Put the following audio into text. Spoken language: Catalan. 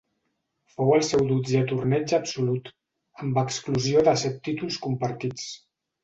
Fou el seu dotzè torneig absolut, amb exclusió de set títols compartits.